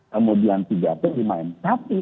kemudian tiga percuma yang satu